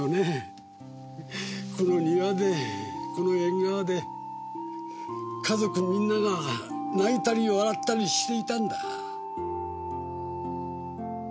この庭でこの縁側で家族みんなが泣いたり笑ったりしていたんだ。